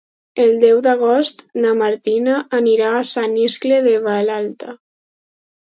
El deu d'agost na Martina anirà a Sant Iscle de Vallalta.